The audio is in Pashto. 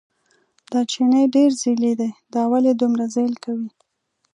دا چیني ډېر ځېلی دی، دا ولې دومره ځېل کوي.